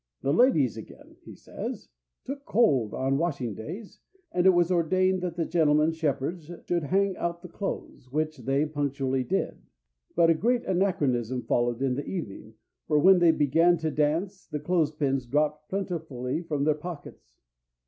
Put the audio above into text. "The ladies again," he says, "took cold on washing days, and it was ordained that the gentlemen shepherds should hang out the clothes, which they punctually did; but a great anachronism followed in the evening, for when they began to dance the clothes pins dropped plentifully from their pockets."